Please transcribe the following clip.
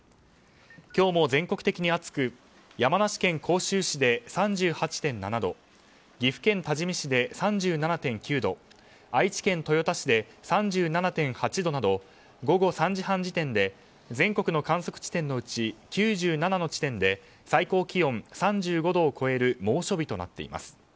今日も全国的に暑く山梨県甲州市で３８．７度岐阜県多治見市で３７．９度愛知県豊田市で３７．８度など午後３時半時点で全国の観測地点のうち９７の地点で最高気温３５度を超える猛暑日となっています。